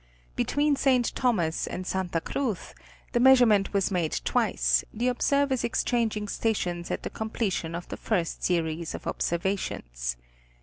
Between St. Thomas and Santa Cruz, the measurement was made twice, the observers exchanging stations at the completion of the first series of observations.